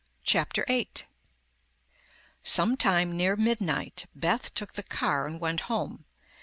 CHAPTER EIGHT Sometime near midnight, Beth took the car and went home.